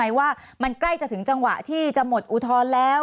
ว่ามันใกล้จะถึงจังหวะที่จะหมดอุทธรณ์แล้ว